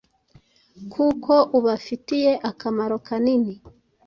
kuko ubafitiye akamaro kanini